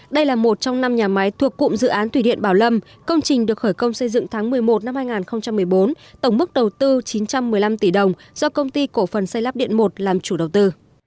đây là một trong năm nhà máy thuộc cụm dự án thủy điện bảo lâm công trình được khởi công xây dựng tháng một mươi một năm hai nghìn một mươi bốn tổng mức đầu tư chín trăm một mươi năm tỷ đồng do công ty cổ phần xây lắp điện một làm chủ đầu tư